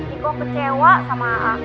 iko kecewa sama aa